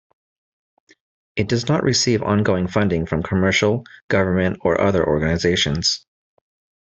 It does not receive ongoing funding from commercial, government or other organisations.